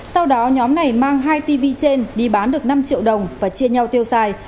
sau đó nhóm này mang hai tv trên đi bán được năm triệu đồng và chia nhau tiêu xài